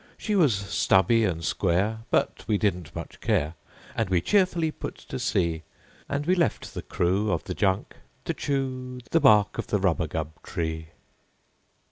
She was stubby and square, but we didn't much care, And we cheerily put to sea; And we left the crew of the junk to chew The bark of the rubagub tree.